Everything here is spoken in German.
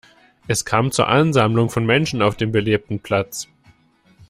Es kam zur Ansammlung von Menschen auf dem belebten Platz.